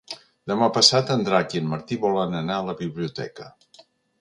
Demà passat en Drac i en Martí volen anar a la biblioteca.